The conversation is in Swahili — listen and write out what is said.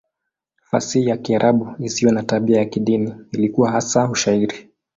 Fasihi ya Kiarabu isiyo na tabia ya kidini ilikuwa hasa Ushairi.